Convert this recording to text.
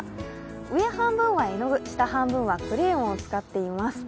上半分は絵の具、下半分はクレヨンを使っています。